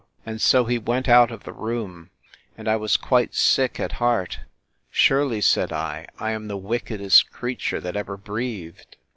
And so he went out of the room: And I was quite sick at heart!—Surely, said I, I am the wickedest creature that ever breathed!